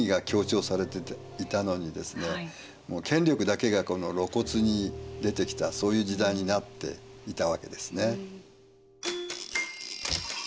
権力だけが露骨に出てきたそういう時代になっていたわけですね。